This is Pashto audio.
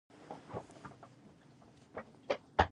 د ورېښمو لاره له افغانستان څخه تیریده